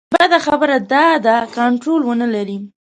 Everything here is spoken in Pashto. بده خبره دا ده کنټرول ونه لري.